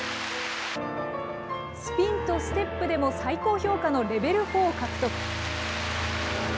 スピンとステップでも最高評価のレベルフォーを獲得。